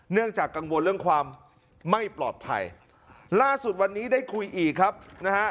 เนื่องจากกังวลเรื่องความไม่ปลอดภัยล่าสุดวันนี้ได้คุยอีกครับนะฮะ